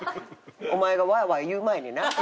お前がワーワー言う前にな。